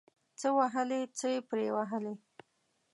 څه وهلي ، څه پري وهلي.